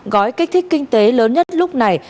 gói kích thích kinh tế lớn nhất lúc này